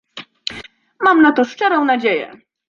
Mam na to szczerą nadzieję